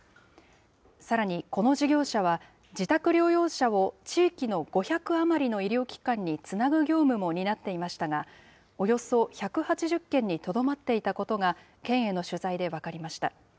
さらに、この事業者は、自宅療養者を地域の５００余りの医療機関につなぐ業務も担っていましたが、およそ１８０件にとどまっていたことが、県への取材で分かりました。